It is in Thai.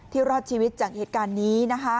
รอดชีวิตจากเหตุการณ์นี้